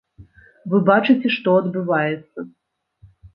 Вы бачыце, што адбываецца!